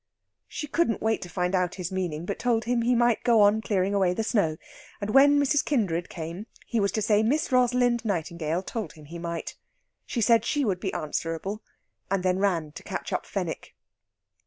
She couldn't wait to find out his meaning, but told him he might go on clearing away the snow, and when Mrs. Kindred came he was to say Miss Rosalind Nightingale told him he might. She said she would be answerable, and then ran to catch up Fenwick.